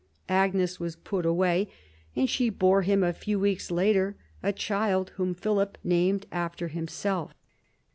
Agnes was put away, and she bore him, a few weeks later, a child whom Philip named after himself.